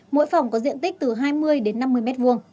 mỗi phòng có diện tích từ hai mươi đến năm mươi m hai